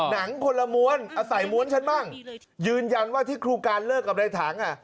หนังคนละม้วนอาศัยม้วนฉันบ้างยืนยันว่าที่ครูการเลิกกับในถังอ่ะ